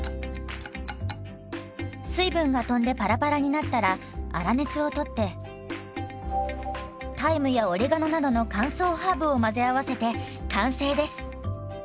水分がとんでパラパラになったら粗熱を取ってタイムやオレガノなどの乾燥ハーブを混ぜ合わせて完成です。